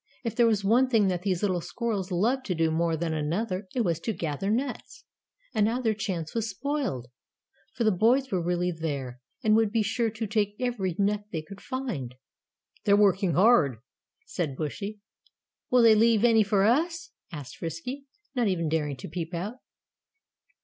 If there was one thing that these little squirrels loved to do more than another it was to gather nuts and now their chance was spoiled, for the boys were really there, and would be sure to take every nut they could find. "They're working hard," said Bushy. "Will they leave any for us?" asked Frisky, not even daring to peep out.